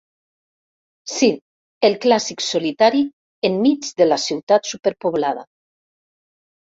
Sí, el clàssic solitari enmig de la ciutat superpoblada.